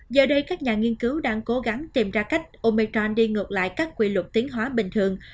giờ đây các nhà nghiên cứu đang cố gắng tìm ra cách omechon đi ngược lại các quy luật tiến hóa bình thường